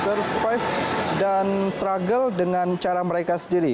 survive dan struggle dengan cara mereka sendiri